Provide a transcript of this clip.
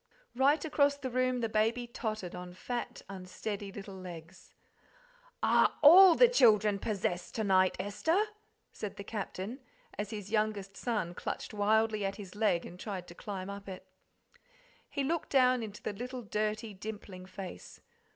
Right across the room the baby tottered on fat, unsteady little legs. "Are the children ALL possessed to night, Esther?" said the Captain, as his youngest son clutched wildly at his leg and tried to climb up it. He looked down into the little dirty, dimpling face.